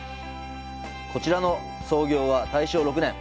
こちらの創業は大正６年。